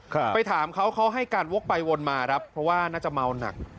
ไปถามเขาเขาให้การวกไปวนมาครับเพราะว่าน่าจะเมาหนัก